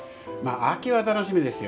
秋は楽しみですよ。